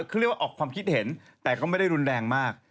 เขาเรียกว่าออกความคิดเห็นแต่ก็ไม่ได้รุนแรงมาก